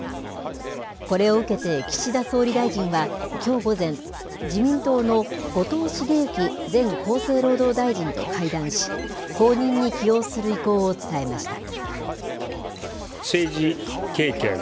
これを受けて岸田総理大臣はきょう午前、自民党の後藤茂之前厚生労働大臣と会談し、後任に起用する意向を伝えました。